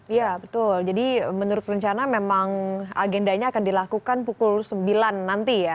iya betul jadi menurut rencana memang agendanya akan dilakukan pukul sembilan nanti ya